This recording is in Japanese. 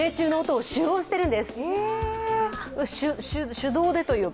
手動でというか。